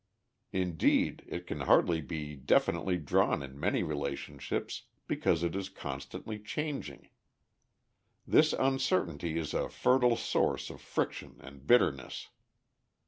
Indeed, it can hardly be definitely drawn in many relationships, because it is constantly changing. This uncertainty is a fertile source of friction and bitterness.